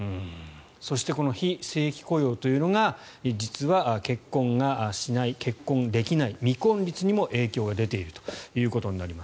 そして非正規雇用というのが実は結婚をしない結婚できない未婚率にも影響が出ているということになります。